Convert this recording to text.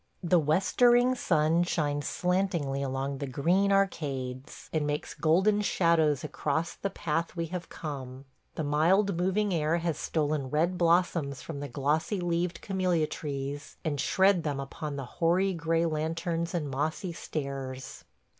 The westering sun shines slantingly along the green arcades and makes golden shadows across the path we have come. The mild moving air has stolen red blossoms from the glossy leaved camellia trees and shred them upon the hoary gray lanterns and mossy stairs.